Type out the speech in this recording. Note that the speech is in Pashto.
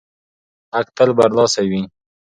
حق تل برلاسی وي.